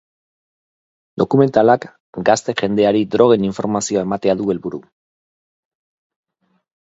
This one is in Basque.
Dokumentalak gazte jendeari drogen informazioa ematea du helburu.